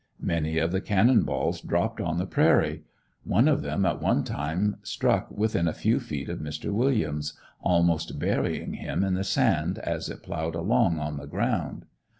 Many of the cannon balls dropped on the prairie; one of them at one time struck within a few feet of Mr. Williams, almost burying him in the sand as it plowed along on the ground.